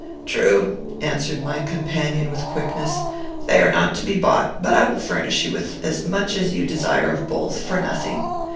"True," answered my companion, with quickness, "they are not to be bought; but I will furnish you with as much as you desire of both, for nothing.